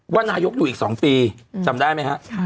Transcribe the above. ว่านายกอยู่อีก๒ปีจำได้ไหมฮะ